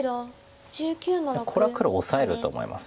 これは黒オサえると思います。